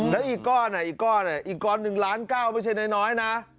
แล้วอีกก้อน๑๐๙๙๐๐บาทไม่ใช่หนอยนะ